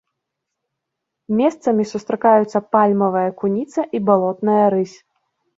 Месцамі сустракаюцца пальмавая куніца і балотная рысь.